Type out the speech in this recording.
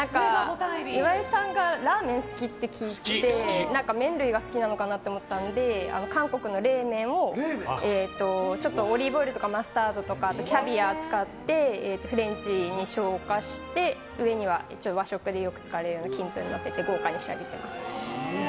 岩井さんがラーメンが好きって聞いて麺類が好きなのかなと思ったので韓国の冷麺をちょっとオリーブオイルとかマスタードとかキャビアを使ってフレンチに昇華して上には和食でよく使われる金粉をのせて豪華に仕上げています。